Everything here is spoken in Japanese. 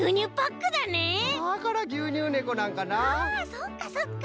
そっかそっか。